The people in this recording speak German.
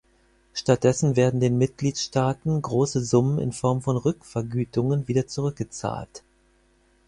Stattdessen werden den Mitgliedstaaten große Summen in Form von Rückvergütungen wieder zurückgezahlt.